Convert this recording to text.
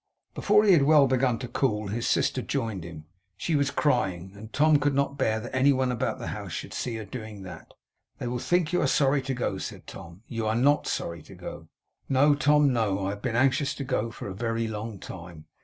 Before he had well begun to cool, his sister joined him. She was crying; and Tom could not bear that any one about the house should see her doing that. 'They will think you are sorry to go,' said Tom. 'You are not sorry to go?' 'No, Tom, no. I have been anxious to go for a very long time.